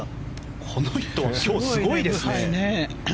この人、今日すごいですね。